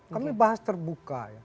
kami bahas terbuka ya